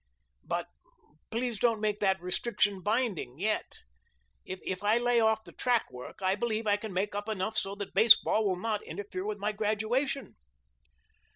But please don't make that restriction binding yet. If I lay off the track work I believe I can make up enough so that baseball will not interfere with my graduation."